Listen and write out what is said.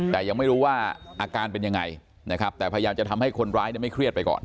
แต่ยังไม่รู้ว่าอาการเป็นยังไงนะครับแต่พยายามจะทำให้คนร้ายไม่เครียดไปก่อน